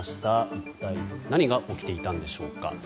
一体何が起きていたんでしょうか。